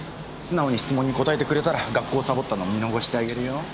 素直に質問に答えてくれたら学校サボったの見逃してあげるよ。